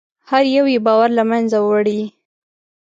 هر یو یې باور له منځه وړي.